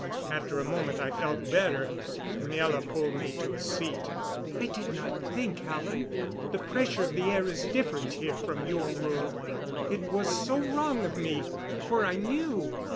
After a moment I felt better. Miela pulled me to a seat. "I did not think, Alan. The pressure of the air is different here from your world. It was so wrong of me, for I knew.